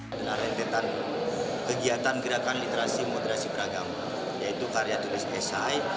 adalah rentetan kegiatan gerakan literasi moderasi beragam yaitu karya tulis esai